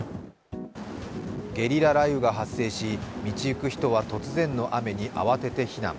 ゲリラ雷雨が発生し、道行く人は突然の雨に慌てて避難。